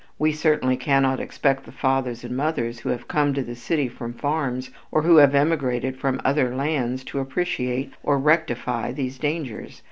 We certainly cannot expect the fathers and mothers who have come to the city from farms or who have emigrated from other lands to appreciate or rectify these dangers.